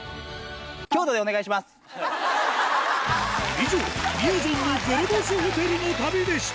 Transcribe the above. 以上みやぞんの「ゼロ星ホテルの旅」でした